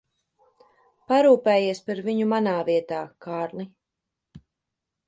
Parūpējies par viņu manā vietā, Kārli.